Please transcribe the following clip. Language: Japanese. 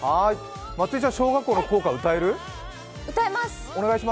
まつりちゃん、小学校の校歌歌える？歌えます！